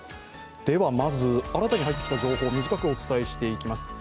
まず、新たに入ってきた情報を短くお伝えしていきます。